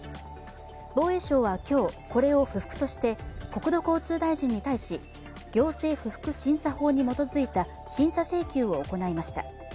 防衛省は今日、これを不服として国土交通大臣に対し行政不服審査法に基づいた審査請求を行いました。